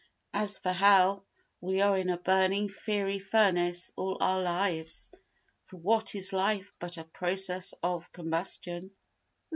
As for hell, we are in a burning fiery furnace all our lives—for what is life but a process of combustion?